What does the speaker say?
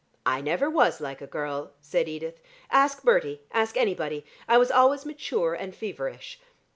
"I never was like a girl," said Edith. "Ask Bertie, ask anybody. I was always mature and feverish.